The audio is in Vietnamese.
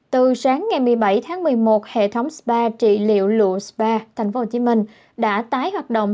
từ sáng ngày một mươi bảy tháng một mươi một hệ thống spa trị liệu lụa spa thành phố hồ chí minh đã tái hoạt động